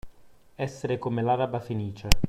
Essere come l'Araba Fenice.